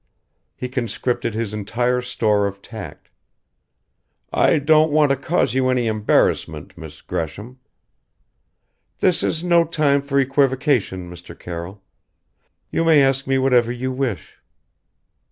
He conscripted his entire store of tact "I don't want to cause you any embarrassment, Miss Gresham " "This is no time for equivocation, Mr. Carroll. You may ask me whatever you wish."